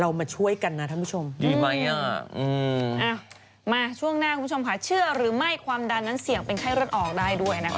อ้าวบรรดาคุณแม่คุณแม่หายไปนะคะคุณผู้ชมเดี๋ยวเข้ามาเดี๋ยวเข้ามา